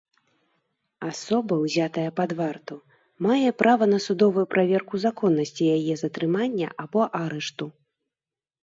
Асоба, узятая пад варту, мае права на судовую праверку законнасці яе затрымання або арышту.